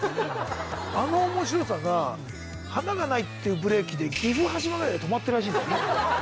あのおもしろさが、華がないっていうブレーキで、岐阜羽島ぐらいで止まってるらしいのよね。